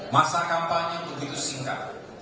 masa kampanye begitu singkat